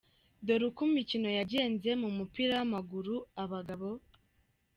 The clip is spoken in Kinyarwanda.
Dore uko imikino yagenze mu mupira w’amaguru abagabo :.